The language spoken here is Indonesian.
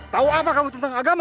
tahu apa kamu tentang agama